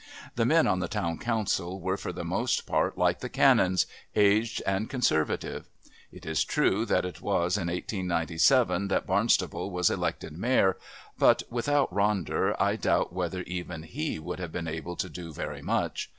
The men on the Town Council were for the most part like the Canons, aged and conservative. It is true that it was in 1897 that Barnstaple was elected Mayor, but without Ronder I doubt whether even he would have been able to do very much.